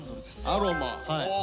アロマお！